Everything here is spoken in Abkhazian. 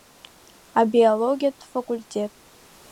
Абиологиатә факультет…